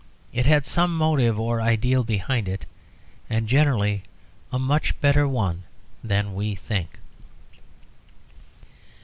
It had some motive or ideal behind it, and generally a much better one than we think.